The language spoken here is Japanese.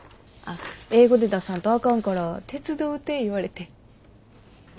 あっ英語で出さんとあかんから手伝うて言われて。